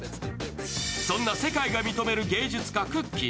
そんな世界が認める芸術家くっきー！